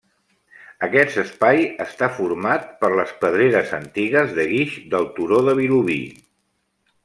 Aquest espai està format per les pedreres antigues de guix del turó de Vilobí.